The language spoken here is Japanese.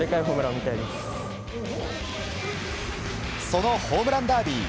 そのホームランダービー。